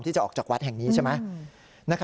ที่จะออกจากวัดแห่งนี้ใช่ไหม